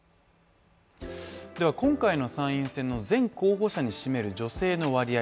では今回の参院選の全候補者に占める女性の割合